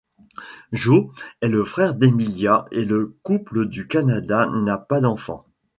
Joe est le frère d'Emilia et le couple du Canada n'a pas d'enfants.